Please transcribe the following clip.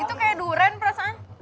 itu kayak durian perasaan